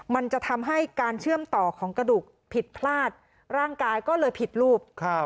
มันจะทำให้การเชื่อมต่อของกระดูกผิดพลาดร่างกายก็เลยผิดรูป